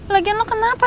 lagian lo kenapa sih